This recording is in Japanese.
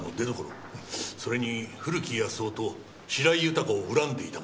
それに古木保男と白井豊を恨んでいた者。